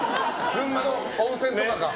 群馬の温泉とかか。